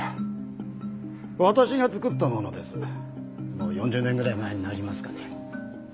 もう４０年ぐらい前になりますかね。